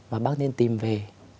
và bác nên tìm về